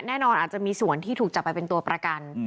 แน่นอนอาจจะมีส่วนที่ถูกจับไปเป็นตัวประกัน